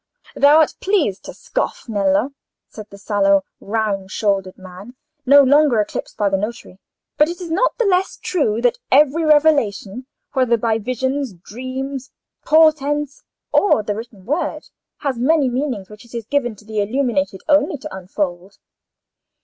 "Thou art pleased to scoff, Nello," said the sallow, round shouldered man, no longer eclipsed by the notary, "but it is not the less true that every revelation, whether by visions, dreams, portents, or the written word, has many meanings, which it is given to the illuminated only to unfold."